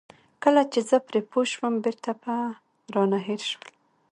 کله چې زه پرې پوه شوم بېرته به رانه هېر شول.